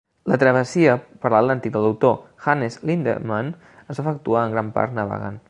La travessia per l'Atlàntic del doctor Hannes Lindemann es va efectuar en gran part navegant.